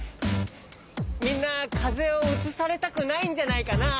みんなかぜをうつされたくないんじゃないかな？